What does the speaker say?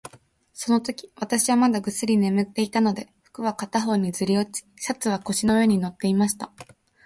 そのとき、私はまだぐっすり眠っていたので、服は片方にずり落ち、シャツは腰の上に載っていました。